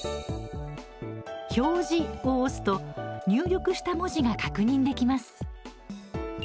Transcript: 「表示」を押すと入力した文字が確認できます。